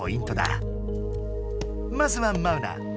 まずはマウナ。